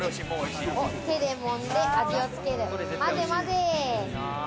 手で揉んで、味をつける、まぜまぜ。